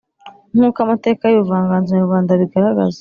Nkuko amateka y’ubuvanganzo nyarwanda abigaragaza